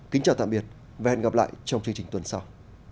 kính chào tạm biệt và hẹn gặp lại trong chương trình tuần sau